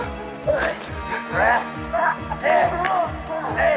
おい！